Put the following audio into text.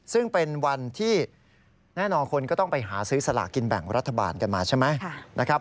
ซึ่งเป็นวันที่แน่นอนคนก็ต้องไปหาซื้อสลากินแบ่งรัฐบาลกันมาใช่ไหมนะครับ